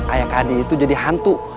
ayah kak hadi itu jadi hantu